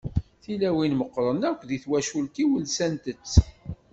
Tilawin meqqren akk deg twacult-iw lsant-tt.